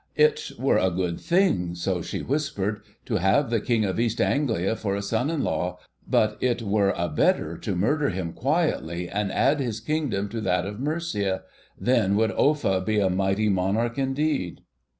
'It were a good thing,' so she whispered, 'to have the King of East Anglia for a son in law, but it were a better to murder him quietly, and add his Kingdom to that of Mercia. Then would Offa be a mighty Monarch indeed.